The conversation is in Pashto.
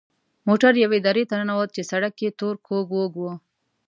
موټر یوې درې ته ننوت چې سړک یې تور کوږ وږ و.